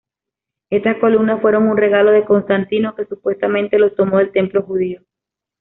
Estas columnas fueron un regalo de Constantino que supuestamente las tomó del templo judío.